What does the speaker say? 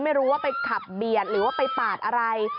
ไม่รู้ว่าไปขับเบียดหรือว่าไปปาดอะไร